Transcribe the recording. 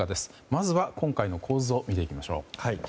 まずは今回の構図を見ていきましょう。